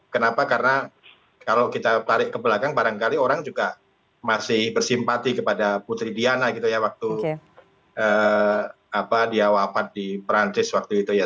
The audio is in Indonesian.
kenapa karena kalau kita tarik ke belakang barangkali orang juga masih bersimpati kepada putri diana gitu ya waktu dia wafat di perancis waktu itu ya